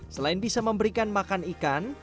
selain bisa memberikan makan ikan